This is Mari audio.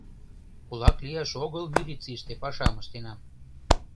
Кулак лияш огыл милицийыште пашам ыштенам.